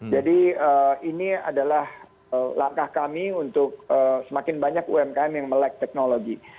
jadi ini adalah langkah kami untuk semakin banyak umkm yang melek teknologi